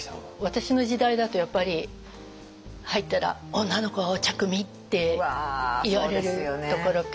私の時代だとやっぱり入ったら「女の子はお茶くみ」って言われるところから。